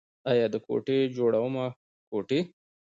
ای کوټې جوړومه کوټې.